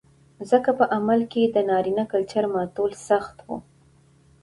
ځکه په عمل کې د نارينه کلچر ماتول سخت و